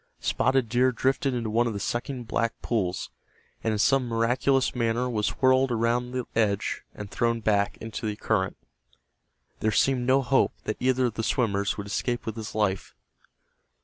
Spotted Deer drifted into one of the sucking black pools, and in some miraculous manner was whirled around the edge and thrown back into the current. There seemed no hope that either of the swimmers would escape with his life.